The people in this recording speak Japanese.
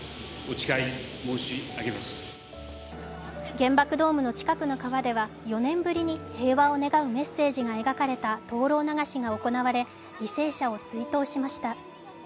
原爆ドームの近くの川では平和を願うメッセージが描かれたとうろう流しが行われ犠牲者を追悼しました。